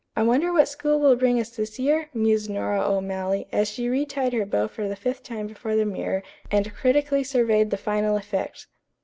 "I wonder what school will bring us this year?" mused Nora O'Malley, as she retied her bow for the fifth time before the mirror and critically surveyed the final effect.